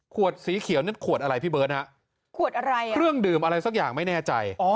สีเขียวนั่นขวดอะไรพี่เบิร์ตฮะขวดอะไรอ่ะเครื่องดื่มอะไรสักอย่างไม่แน่ใจ